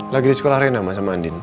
lagi di sekolah rena sama andien